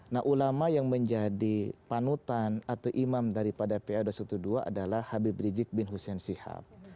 nah ulama yang menjadi panutan atau imam daripada pa dua ratus dua belas adalah habib rizik bin hussein sihab